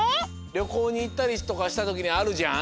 りょこうにいったりとかしたときにあるじゃん？